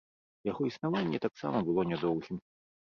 Яго існаванне таксама было нядоўгім.